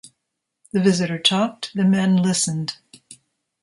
The visitor talked, the men listened.